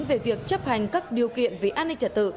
về việc chấp hành các điều kiện về an ninh trả tự